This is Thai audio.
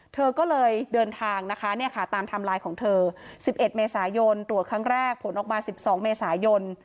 เธอก็เลยเดินทางตามไลน์ของเธอสิบเอ็ดเมษายนตรวจครั้งแรกผลออกมาสิบสองเมษายน